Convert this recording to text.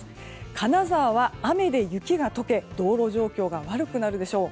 金沢は雨で雪が解け道路状況が悪くなるでしょう。